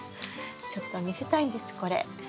ちょっと見せたいんですこれ。